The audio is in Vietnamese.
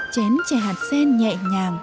chén chè hạt sen nhẹ nhàng